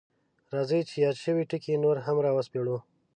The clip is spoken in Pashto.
راځئ چې یاد شوي ټکي نور هم راوسپړو: